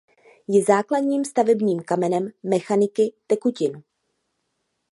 Je základním stavebním kamenem mechaniky tekutin.